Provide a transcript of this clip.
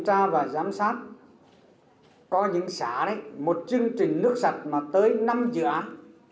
tôi đã giám sát có những xã đấy một chương trình nước sạch mà tới năm dự án